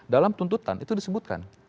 dalam tuntutan itu disebutkan